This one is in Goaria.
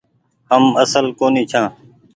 هم اسل ڪونيٚ ڇآن۔